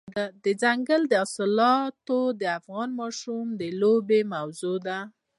دځنګل حاصلات د افغان ماشومانو د لوبو موضوع ده.